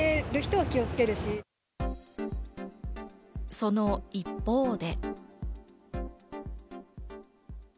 その一方で。